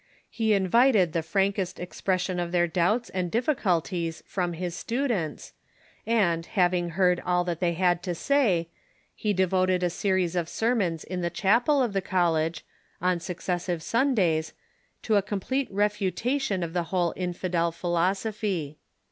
He invited the frankest expression of their doubts and difiiculties from his students, and, having heard all that they had to say, he devoted a series of sermons in the chapel of the college, on successive Sundays, to a complete refutation of the whole infidel philosophy.